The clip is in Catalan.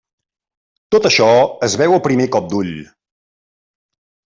Tot això es veu al primer cop d'ull.